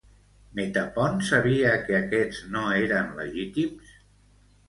Metapont sabia que aquests no eren legítims?